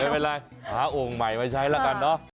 ไม่เป็นไรหาโอ่งใหม่มาใช้ละกันเนาะ